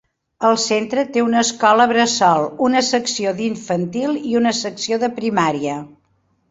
El centre té una escola bressol, una secció d'infantil i una secció de primària.